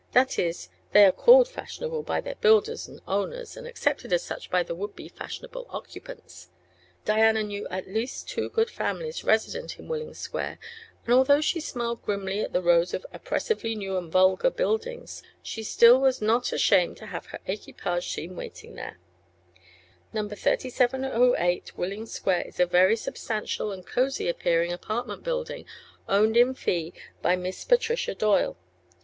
That is, they are called fashionable by their builders and owners and accepted as such by their would be fashionable occupants. Diana knew at least two good families resident in Willing Square, and though she smiled grimly at the rows of "oppressively new and vulgar" buildings, she still was not ashamed to have her equipage seen waiting there. Number 3708 Willing Square is a very substantial and cozy appearing apartment building owned in fee by Miss Patricia Doyle.